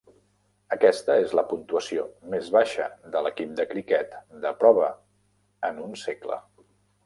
Aquesta és la puntuació més baixa de l'equip del criquet de prova en un segle.